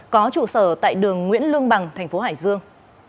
có trụ sở tại đường nguyễn lương bằng thành phố hải dương